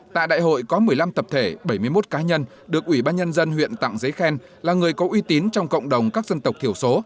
tại đại hội có một mươi năm tập thể bảy mươi một cá nhân được ủy ban nhân dân huyện tặng giấy khen là người có uy tín trong cộng đồng các dân tộc thiểu số